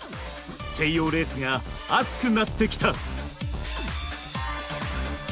チェイヨーレースが熱くなってきた！